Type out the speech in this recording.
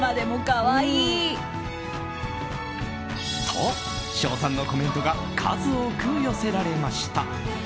と、賞賛のコメントが数多く寄せられました。